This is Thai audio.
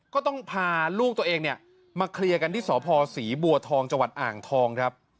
ก็ต้องพาลูกตัวเองเนี่ยมาเคลียร์กันที่สพศรีบัวทองจังหวัดอ่างทองครับ